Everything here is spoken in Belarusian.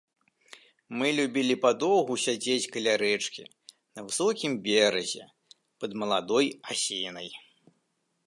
Мы любілі падоўгу сядзець каля рэчкі, на высокім беразе, пад маладой асінай.